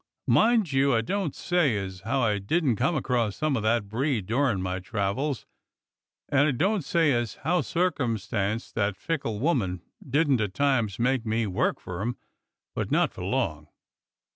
Mind you, I don't say as howl didn't come across some of that breed durin' my travels, and I don't say as how circumstance, that fickle woman, didn't at times make me work for 'em. But not for long.